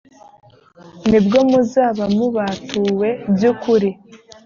ni bwo muzaba mubatuwe by ukuri